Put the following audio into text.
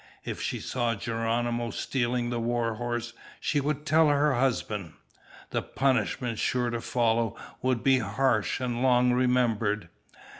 If she saw Geronimo stealing the war horse she would tell her husband. The punishment sure to follow would be harsh and long remembered.